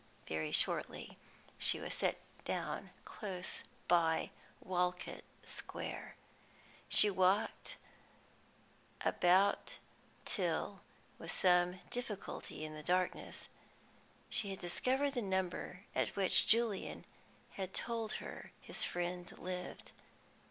Very shortly she was set down close by Walcot Square. She walked about till, with some difficulty in the darkness, she had discovered the number at which Julian had told her his friend lived.